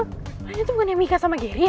ini tuh bukan yang mika sama gary ya